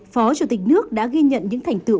phó chủ tịch nước đã ghi nhận những thành tựu